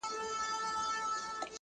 يو چا د سترگو په رپا کي رانه ساه وړې ده